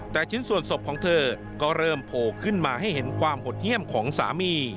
แต่ชิ้นส่วนศพของเธอก็เริ่มโผล่ขึ้นมาให้เห็นความหดเยี่ยมของสามี